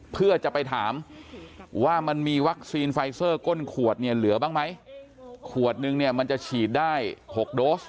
เพื่อจะไปถามว่ามันมีวัคซีนไฟเซอร์ก้นขวดเนี่ยเหลือบ้างไหมขวดนึงเนี่ยมันจะฉีดได้๖โดส